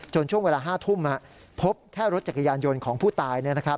ช่วงเวลา๕ทุ่มพบแค่รถจักรยานยนต์ของผู้ตาย